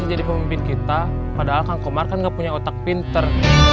dia bisa jadi pemimpin kita padahal kang komar kan gak punya otak pintar